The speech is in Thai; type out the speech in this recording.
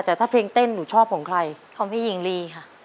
แต่ถ้าเพลงเต้นหนูชอบของใครของพี่หญิงลีค่ะ